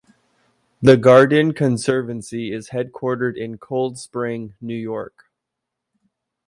The Garden Conservancy is headquartered in Cold Spring, New York.